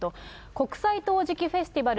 国際陶磁器フェスティバル